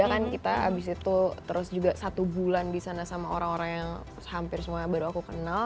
itu kan kita abis itu terus juga satu bulan disana sama orang orang yang hampir semua baru aku kenal